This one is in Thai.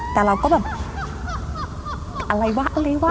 แต่เราก็แบบอะไรวะอะไรวะ